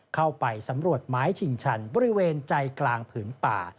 เข้าไปสำรวจไม้ชิงชันบริเวณใจกลางผืนป่า